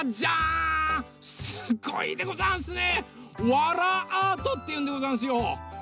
「わらアート」っていうんでござんすよ。